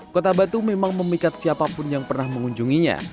kota batu memang memikat siapapun yang pernah mengunjunginya